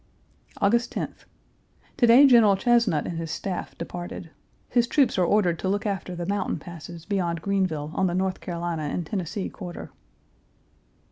August 10th. To day General Chesnut and his staff departed. His troops are ordered to look after the mountain passes beyond Greenville on the North Carolina and Tennessee quarter.